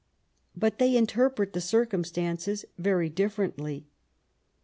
But they interpret the circumstances very differently.